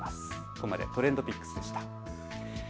ここまでＴｒｅｎｄＰｉｃｋｓでした。